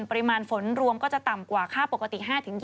ปริมาณฝนรวมก็จะต่ำกว่าค่าปกติ๕๗